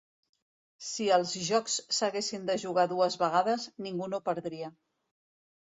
Si els jocs s'haguessin de jugar dues vegades, ningú no perdria.